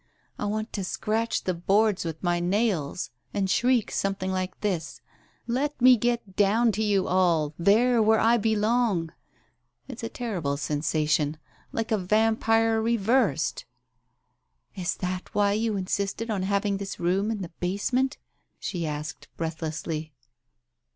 I want to scratch the boardings with my nails and shriek something like this :* Let me get down to you all, there where I belong !' It's a horrible sensa tion, like a vampire reversed !..." "Is that why you insisted on having this room in the basement ?" she asked breathlessly.